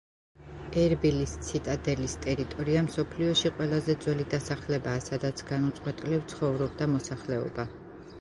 ერბილის ციტადელის ტერიტორია მსოფლიოში ყველაზე ძველი დასახლებაა, სადაც განუწყვეტლივ ცხოვრობდა მოსახლეობა.